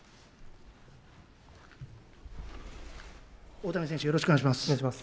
大谷選手、よろしくお願いします。